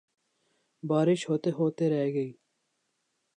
بارش ہوتے ہوتے رہ گئی